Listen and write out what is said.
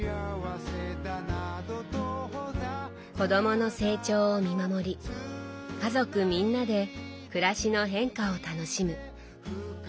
子どもの成長を見守り家族みんなで暮らしの変化を楽しむ。